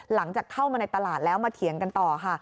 หลังจากเข้ามาในตลาดแล้วมาเถียงกันต่อค่ะ